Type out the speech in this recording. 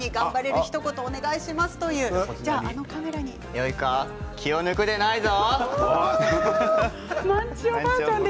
よいか気を抜くででないぞ。